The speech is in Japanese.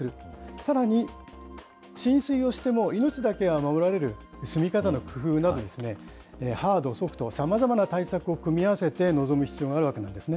さらに浸水をしても命だけは守られる、住み方の工夫など、ハード、ソフト、さまざまな対策を組み合わせて臨む必要があるわけなんですね。